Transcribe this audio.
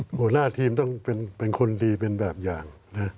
หัวหน้าทีมต้องเป็นคนดีเป็นแบบอย่าง